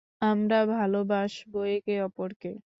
আমরা ভালোবাসবো একে অপরকে।